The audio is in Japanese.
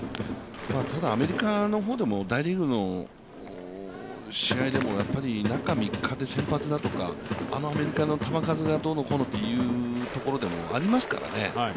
ただ、アメリカの方でも大リーグの試合でも中３日で先発だとか、あのアメリカの球数がどうのこうのという国でもありますからね。